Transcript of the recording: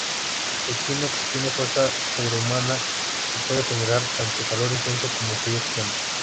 Equinox tiene fuerza sobrehumana y puede generar tanto calor intenso como frío extremo.